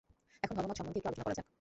এখন ধর্মমত সম্বন্ধে একটু আলোচনা করা যাক।